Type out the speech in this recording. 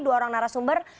dua orang narasumber